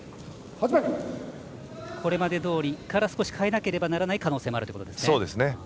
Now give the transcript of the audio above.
これまでどおりから少し変えなければならない可能性もあるということですね。